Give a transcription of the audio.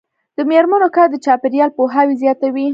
د میرمنو کار د چاپیریال پوهاوی زیاتوي.